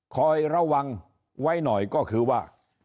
คอยระวังไว้หน่อยก็คือว่า